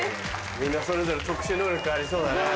みんなそれぞれ特殊能力ありそうだね。